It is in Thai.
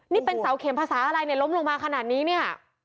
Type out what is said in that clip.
นี่เป็นเสาเข็มภาษาอะไรเนี่ยล้มลงมาขนาดนี้เนี่ย